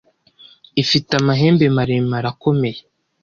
ifite amahembe maremere akomeye